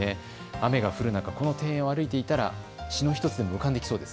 雨が降る中、庭園を歩いていたら詩の１つも浮かんできそうです。